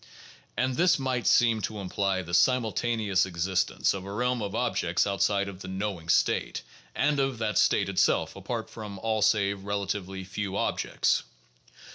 And this might seem to imply the simultaneous exist ence of a realm of objects outside of the "knowing state" and of that state itself apart from all save relatively few objects.